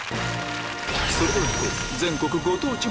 それでは行こう！